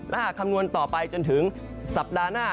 ถ้าหากคำนวณต่อไปจนถึงสัปดาห์หน้า